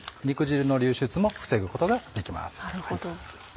肉汁の流出も防ぐことができます。